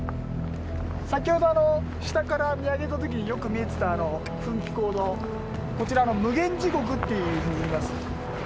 先ほど下から見上げた時によく見えてたあの噴気孔のこちら「無間地獄」っていうふうに言います。